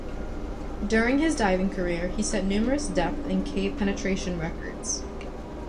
During his diving career, he set numerous depth and cave penetration records.